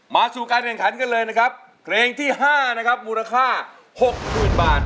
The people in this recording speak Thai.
สู่การแข่งขันกันเลยนะครับเพลงที่๕นะครับมูลค่า๖๐๐๐บาท